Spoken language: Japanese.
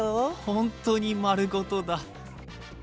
ほんとに丸ごとだ。